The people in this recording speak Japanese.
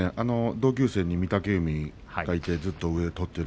同級生に御嶽海がいてずっと上で取っている。